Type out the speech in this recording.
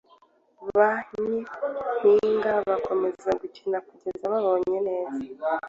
ba nyampinga bakomeza gukina kugeza babonye neza